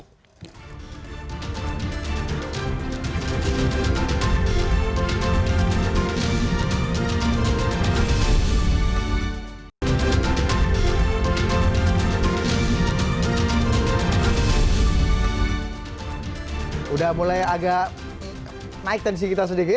sudah mulai agak naik tensi kita sedikit